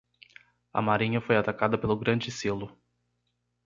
A marinha foi atacada pelo grande silo.